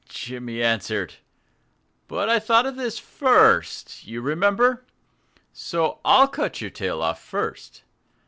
Jimmy answered. "But I thought of this first, you remember. So I'll cut your tail off first.